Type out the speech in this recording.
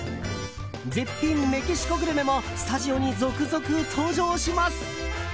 絶品メキシコグルメもスタジオに続々登場します。